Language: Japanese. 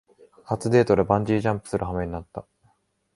初デートでバンジージャンプするはめになった